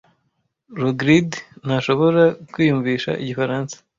Rogride ntashobora kwiyumvisha igifaransa.